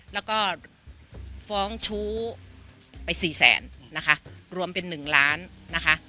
แล้วก็ฟ้องชู้ไปสี่แสนนะคะรวมเป็น๑ล้านนะคะ